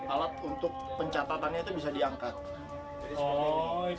alat untuk pencatatannya itu bisa diangkat